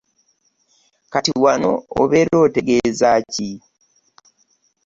Kati wano obeera otegeeza ki?